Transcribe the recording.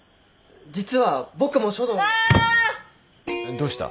どうした？